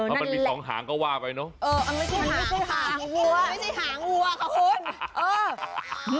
มันมีสองหางก็ว่าไปเนาะ